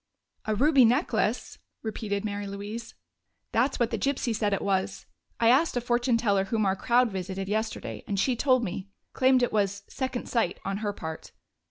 "A ruby necklace!" repeated Mary Louise. "That's what the gypsy said it was. I asked a fortune teller whom our crowd visited yesterday, and she told me. Claimed it was 'second sight' on her part."